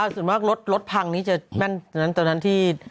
ส่วนมากรถพังนี้จะแม่นตอนนั้นที่